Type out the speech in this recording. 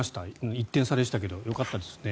１点差でしたけどよかったですね。